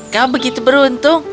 kau begitu beruntung